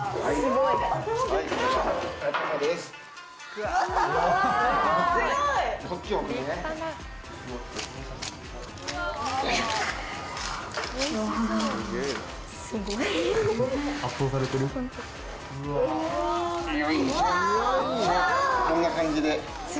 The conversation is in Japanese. よいしょこんな感じで。